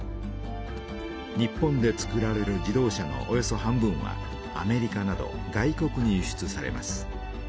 日本でつくられる自動車のおよそ半分はアメリカなど外国に輸出されます。